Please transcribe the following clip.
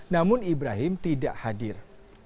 namun ibrahim tidak hadir